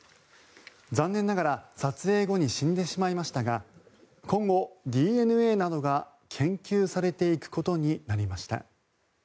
残念ながら撮影後に死んでしまいましたが今後、ＤＮＡなどが研究されていくことになりました。